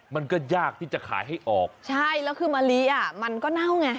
มันก็ยากที่จะขายให้ออกใช่แล้วคือมะลิอ่ะมันก็เน่าไง